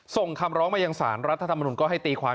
ส่งคำร้องมายังสารรัฐธรรมนุนก็ให้ตีความ